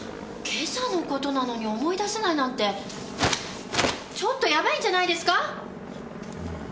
今朝の事なのに思い出せないなんてちょっとヤバイんじゃないですか！？